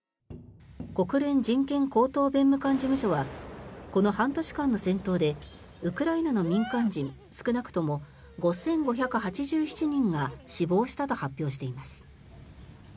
国連人権高等弁務官事務所はこの半年間の戦闘でウクライナの民間人少なくとも５５８７人が死亡したと発表しています。